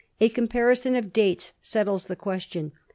A comparison of dates settles the question.